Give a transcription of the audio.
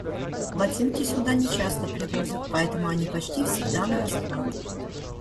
Ботинки сюда нечасто привозят, поэтому они почти всегда нарасхват.